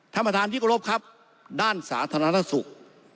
ท่านประธานที่กรบครับด้านสาธารณสุข